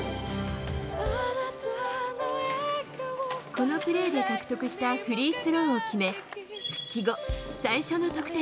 このプレーで獲得したフリースローを決め復帰後、最初の得点。